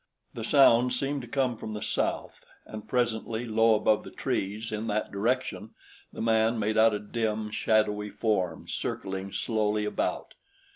The sound seemed to come from the south, and presently, low above the trees in that direction, the man made out a dim, shadowy form circling slowly about.